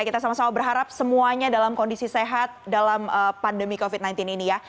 kita sama sama berharap semuanya dalam kondisi sehat dalam pandemi covid sembilan belas ini ya